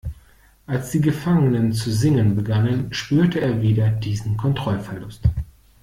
Als die Gefangenen zu singen begannen, spürte er wieder diesen Kontrollverlust.